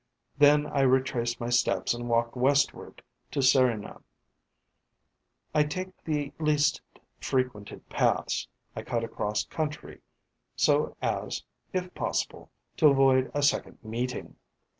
Then I retrace my steps and walk westward of Serignan. I take the least frequented paths, I cut across country so as, if possible, to avoid a second meeting.